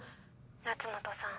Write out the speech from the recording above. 夏本さん。